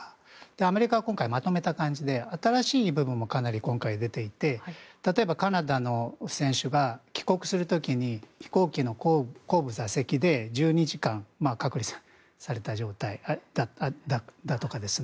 アメリカは今回まとめた感じで新しい部分もかなり出ていて例えばカナダの選手が帰国する時に飛行機の後部座席で１２時間隔離された状態だっただとか